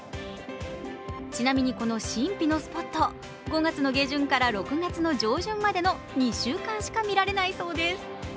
ちなみのこちらの神秘のスポット５月の下旬から６月の上旬までの２週間しか見られないそうです。